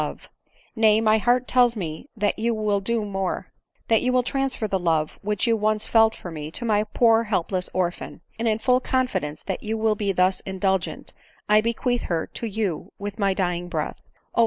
307 love Nay, my heart tells me that you will do more— that you will transfer the love which you once felt for me, to my poor helpless orphan ; and in full confidence that you will be thus indulgent, I bequeath her to you with my dying breath. O